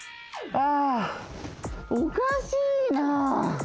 ああおかしいな。